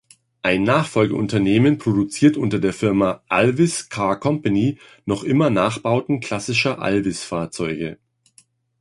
Ein Nachfolgeunternehmen produziert unter der Firma Alvis Car Company noch immer Nachbauten klassischer Alvis-Fahrzeuge.